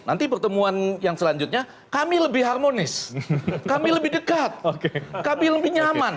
nanti pertemuan yang selanjutnya kami lebih nyaman